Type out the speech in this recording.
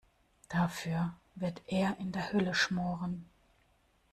Dafür wird er in der Hölle schmoren.